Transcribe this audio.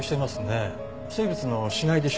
生物の死骸でしょうか？